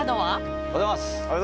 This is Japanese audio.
おはようございます。